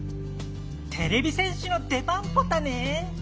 てれび戦士の出番ポタね。